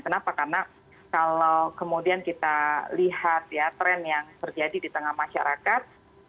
kenapa karena kalau kemudian kita lihat ya tren yang terjadi di tengah masyarakat